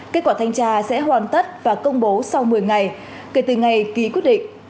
kết quả thanh tra sẽ hoàn tất và công bố sau một mươi ngày kể từ ngày ký quyết định